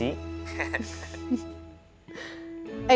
ya biar mesra aja sih